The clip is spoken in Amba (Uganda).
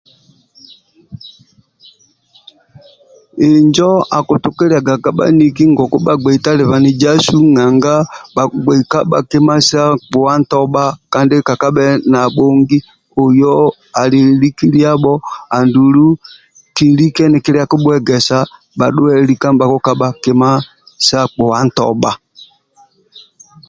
Injo akitukiliaga ka bhaniki ngoku bhagbei talabanizasu nanga bhakikabhaga kima sa kpua ntobha kandi kekabhe nabhongi oiyoho ali likiliabho andulu kilike nikilia kibhuegesa andulu bhadhuwe kima sa kpua ntobha